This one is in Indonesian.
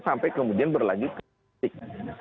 sampai kemudian berlanjut ke titik